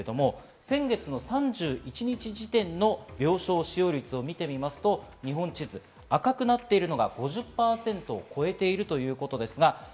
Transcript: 先月３１日時点の病床使用率を見てみますと、日本地図、赤くなっているのが５０％を超えているということです。